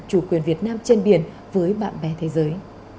chủ quyền việt nam trên biển với bạn bè thế giới